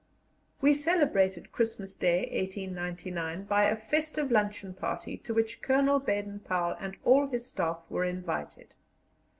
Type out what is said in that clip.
We celebrated Christmas Day, 1899, by a festive luncheon party to which Colonel Baden Powell and all his Staff were invited.